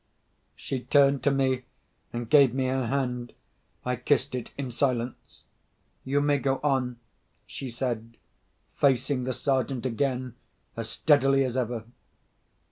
She turned to me, and gave me her hand. I kissed it in silence. "You may go on," she said, facing the Sergeant again as steadily as ever.